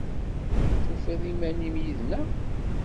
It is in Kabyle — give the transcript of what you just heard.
Tufiḍ iman-im yid-neɣ?